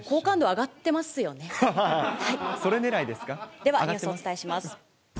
上がってではニュースをお伝えします。